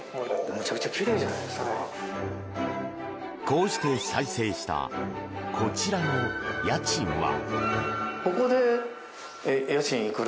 こうして再生したこちらの家賃は？